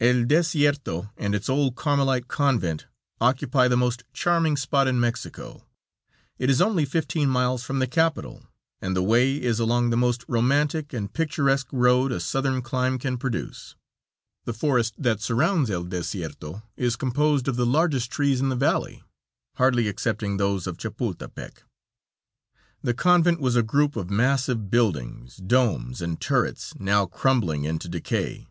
El Desierto and its old Carmelite convent occupy the most charming spot in Mexico. It is only fifteen miles from the capital, and the way is along the most romantic and picturesque road a Southern clime can produce. The forest that surrounds El Desierto is composed of the largest trees in the valley, hardly excepting those of Chapultepec. The convent was a group of massive buildings, domes and turrets, now crumbling into decay.